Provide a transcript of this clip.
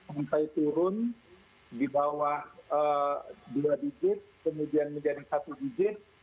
sampai turun di bawah dua digit kemudian menjadi satu digit